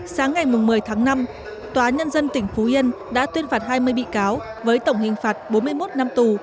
sáng ngày một mươi tháng năm tòa nhân dân tỉnh phú yên đã tuyên phạt hai mươi bị cáo với tổng hình phạt bốn mươi một năm tù